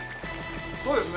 そうですね